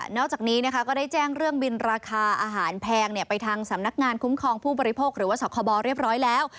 จากนี้ก็ได้แจ้งเรื่องบินราคาอาหารแพงไปทางสำนักงานคุ้มครองผู้บริโภคหรือว่าสคบเรียบร้อยแล้ว